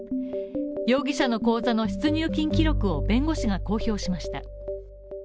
容疑者の口座の出入金記録を弁護士が公開しました。